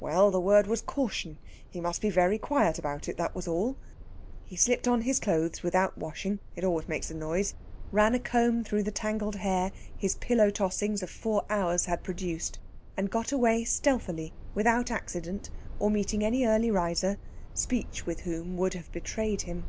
Well, the word was caution; he must be very quiet about it, that was all. He slipped on his clothes without washing it always makes a noise ran a comb through the tangled hair his pillow tossings of four hours had produced, and got away stealthily without accident, or meeting any early riser, speech with whom would have betrayed him.